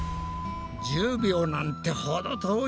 １０秒なんて程遠い。